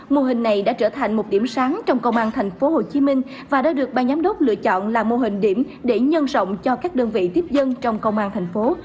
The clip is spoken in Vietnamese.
mô hình này đã trở thành một điểm sáng trong công an thành phố hồ chí minh và đã được ban giám đốc lựa chọn là mô hình điểm để nhân rộng cho các đơn vị tiếp dân trong công an thành phố